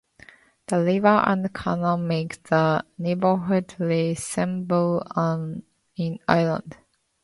The river and canal make the neighborhood resemble an island.